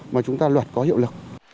mà chúng ta luật có hiệu lực